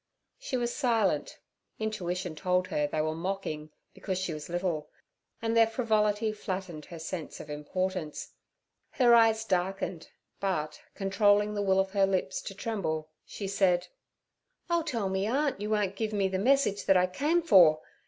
She was silent; intuition told her they were mocking because she was little, and their frivolity flattened her sense of importance. Her eyes darkened, but, controlling the will of her lips to tremble, she said: 'I'll tell me aunt you won't give me the message that I came for.